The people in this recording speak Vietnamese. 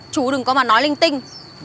chú đừng có mà nói lưng tinh